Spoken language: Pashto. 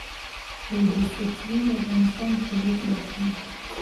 د اوبو سرچینې د افغانستان د طبیعت برخه ده.